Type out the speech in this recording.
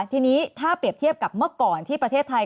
ทีนี้ถ้าเปรียบเทียบกับเมื่อก่อนที่ประเทศไทย